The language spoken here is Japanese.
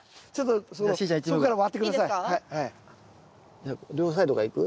じゃ両サイドからいく？